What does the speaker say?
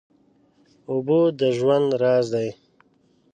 اوبه د ژوند راز دی.